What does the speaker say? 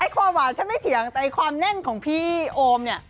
ความหวานฉันไม่เถียงแต่ความแน่นของพี่โอมเนี่ย